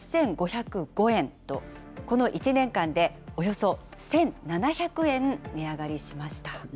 ８５０５円と、この１年間で、およそ１７００円値上がりしました。